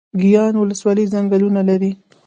ګیان ولسوالۍ ځنګلونه لري؟